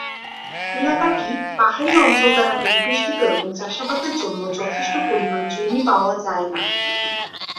এলাকাটি পাহাড়ী অঞ্চল দ্বারা পরিবেষ্টিত এবং চাষাবাদের জন্য যথেষ্ট পরিমাণ জমি পাওয়া যায়না।